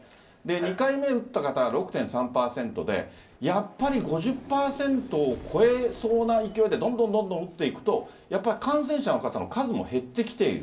２回目打った方が６．３％で、やっぱり５０％を超えそうな勢いでどんどんどんどん打っていくと、やっぱり感染者の方の数も減ってきている。